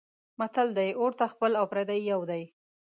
متل دی: اور ته خپل او پردی یو دی.